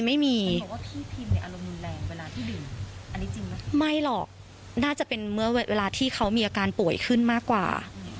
ไม่หรอกน่าจะเป็นเวลาที่เขามีอาการป่วยขึ้นมากกว่า